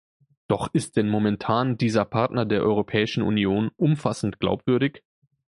Doch ist denn momentan dieser Partner der Europäischen Union umfassend glaubwürdig?